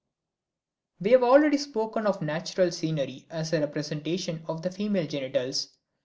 We have already spoken of natural scenery as a representation of the female genitals.